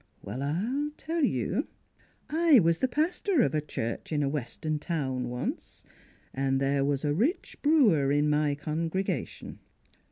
Well, I'll tell you; I was the pastor of a church in a Western town once, and there was a rich brewer in my congregation.